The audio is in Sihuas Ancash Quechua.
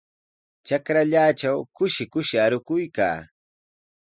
Trakrallaatraw kushi kushi arukuykaa.